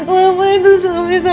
mata ku tak sampai nila